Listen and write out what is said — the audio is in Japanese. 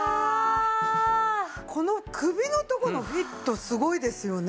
この首のとこのフィットすごいですよね。